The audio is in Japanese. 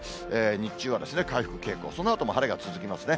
日中は回復傾向、そのあとも晴れが続きますね。